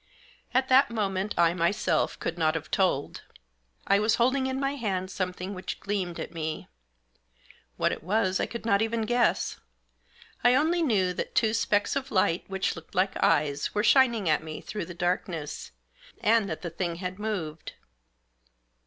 At that moment I myself could not have told. I was holding in my hand something which gleamed at me. What it was I could not even guess. I only knew that two specks of light, which looked like eyes, were shining at me through the darkness ; and that the thing had moved.